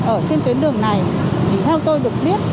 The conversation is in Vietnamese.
ở trên tuyến đường này thì theo tôi được biết